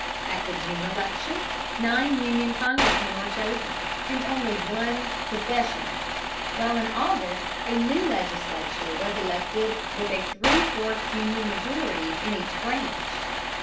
At the June election nine Union congressmen were chosen, and only one secessionist; while in August a new legislature was elected with a three fourths Union majority in each branch.